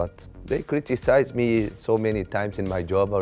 แต่พวกเขาส่งความต่างถึงในครอบครัว